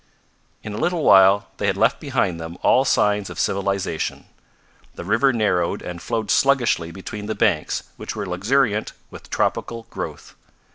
In a little while they had left behind them all signs of civilization. The river narrowed and flowed sluggishly between the banks which were luxuriant with tropical growth.